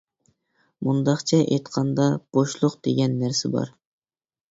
مۇنداقچە ئېيتقاندا، بوشلۇق دېگەن نەرسە بار.